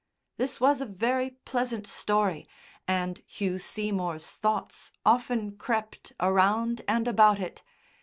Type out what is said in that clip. This was a very pleasant story, and Hugh Seymour's thoughts often crept around and about it.